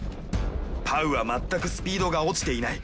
パウは全くスピードが落ちていない。